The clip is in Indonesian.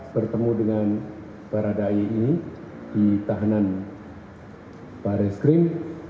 bertemu dengan para da'i ini di tahanan bareskrim